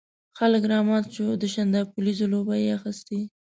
خلک رامات وو، د شانداپولي ځلوبۍ یې اخيستې.